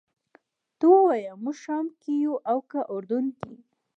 ته ووایه موږ شام کې یو او که اردن کې.